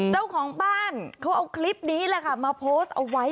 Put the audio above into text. เจ้าของบ้านเขาเอาคลิปนี้แหละค่ะมาโพสต์เอาไว้